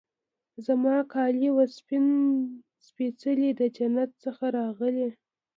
زما کالي وه سپین سپيڅلي د جنت څخه راغلي